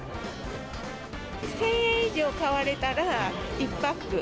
１０００円以上買われたら、１パック。